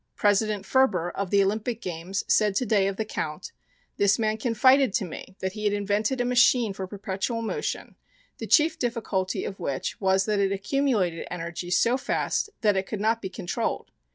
President Furber, of the Olympic Games, said to day of the "Count:" "This man confided to me that he had invented a machine for perpetual motion, the chief difficulty of which was that it accumulated energy so fast that it could not be controlled.